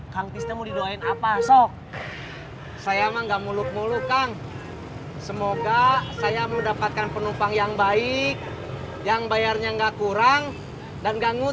kang tista mau didoain apa sok saya mah nggak muluk muluk kang semoga saya mendapatkan penumpang yang baik yang bayarnya nggak kurang dan nggak ngutang